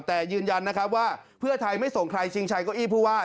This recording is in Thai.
แต่ยืนยันนะครับว่าเพื่อไทยไม่ส่งใครชิงชัยเก้าอี้ผู้ว่า